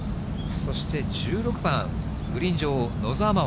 そして１６番、グリーン上、野澤真央。